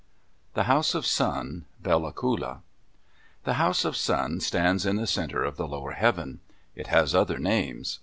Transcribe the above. THE HOUSE OF SUN Bella Coola The House of Sun stands in the center of the lower heaven. It has other names.